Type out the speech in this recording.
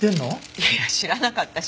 いやいや知らなかったし。